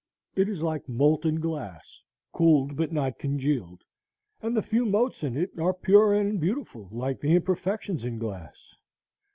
It is like molten glass cooled but not congealed, and the few motes in it are pure and beautiful like the imperfections in glass.